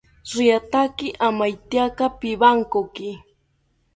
Riataki amaetyaka pipankoki